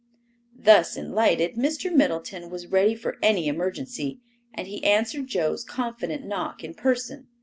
Thus enlightened, Mr. Middleton was ready for any emergency, and he answered Joe's confident knock in person.